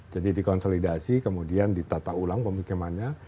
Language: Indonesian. jadi dikonsolidasi kemudian ditata ulang bagaimana